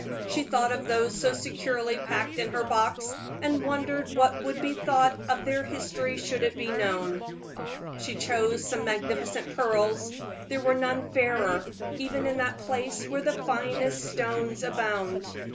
She thought of those so securely packed in her box, and wondered what would be thought if their history could be known. She chose some magnificent pearls; there were none fairer, even in that place where the finest stones abound.